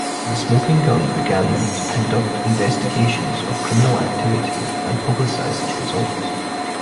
The Smoking Gun began to conduct investigations of criminal activity and publicize its results.